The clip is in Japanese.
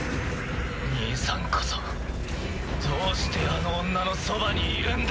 ⁉兄さんこそどうしてあの女のそばにいるんだ？